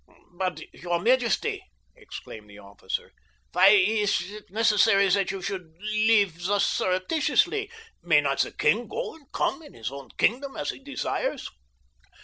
"But, your majesty," exclaimed the officer, "why is it necessary that you leave thus surreptitiously? May not the king go and come in his own kingdom as he desires?